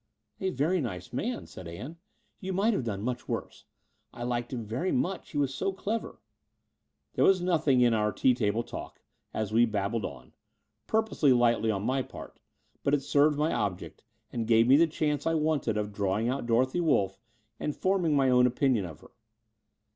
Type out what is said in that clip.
"A very nice man," said Ann. "You might have done much worse. I liked him very much : he is so clever." There was nothing in our tea table talk, as we babbled on — ^purposdy lightly on my part: but it served my object, and gave me the chance I wanted of drawing out Dorothy Wolff and forming my own opinion of her.